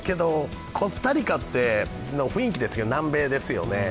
コスタリカの雰囲気ですが南米ですよね。